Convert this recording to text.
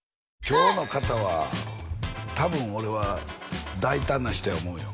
今日の方は多分俺は大胆な人や思うよ